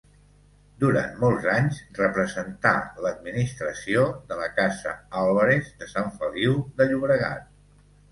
Durant molts anys representà l'administració de la Casa Álvarez de Sant Feliu de Llobregat.